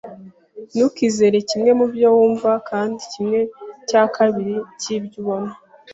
Ntukizere kimwe mubyo wumva kandi kimwe cya kabiri cyibyo ubona.